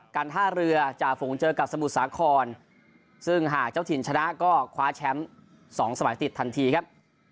การท่าเรือจ่าฝูงเจอกับสมุทรสาครซึ่งหากเจ้าถิ่นชนะก็คว้าแชมป์๒สมัยติดทันทีครับ